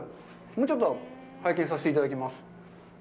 もうちょっと拝見させていただきます。